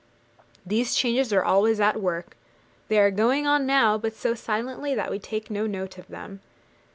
These changes are always at work; they are going on now, but so silently that we take no note of them.